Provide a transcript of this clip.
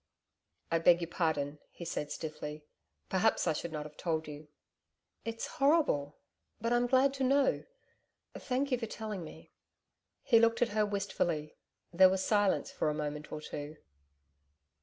'I beg your pardon,' he said stiffly. 'Perhaps I should not have told you.' 'It's horrible. But I'm glad to know. Thank you for telling me.' He looked at her wistfully. There was silence for a moment or two.